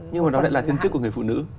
nhưng mà đó lại là tiêu chức của người phụ nữ